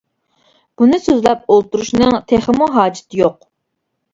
بۇنى سۆزلەپ ئولتۇرۇشنىڭ تېخىمۇ ھاجىتى يوق.